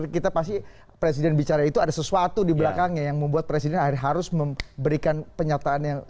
kita pasti presiden bicara itu ada sesuatu di belakangnya yang membuat presiden harus memberikan pernyataan yang